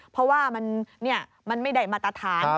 เพราะว่ามันไม่ได้มาตรฐาน